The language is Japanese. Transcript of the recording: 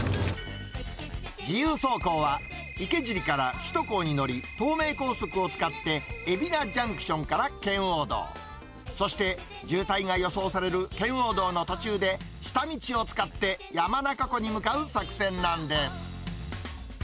自由走行派、池尻から首都高に乗り、東名高速を使って、海老名ジャンクションから圏央道、そして、渋滞が予想される圏央道の途中で、下道を使って、山中湖に向かう作戦なんです。